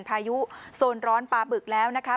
พายุโซนร้อนปลาบึกแล้วนะคะ